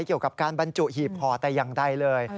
เกี่ยวกับการบรรจุหีบห่อแต่อย่างใดเลย